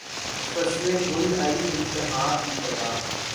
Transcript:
فصل گل آئی امتحاں کی طرح